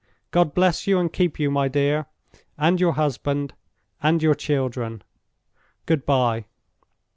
God bless you and keep you, my dear—and your husband, and your children! Good by!"